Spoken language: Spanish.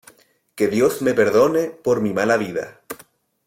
Que Dios me perdone por mi mala vida.